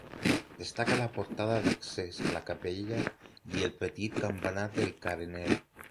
Destaca la portalada d'accés a la capella i el petit campanar del carener.